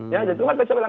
ya jadi lo kan bisa bilang